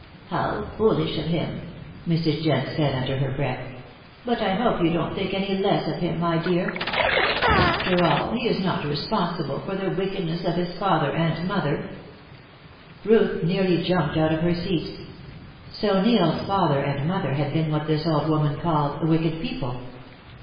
"How foolish of him," Mrs. Jent said under her breath. "But I hope you don't think any the less of him, my dear. After all, he is not responsible for the wickedness of his father and mother." Ruth nearly jumped out of her seat. So Neil's father and mother had been what this old woman called "wicked people."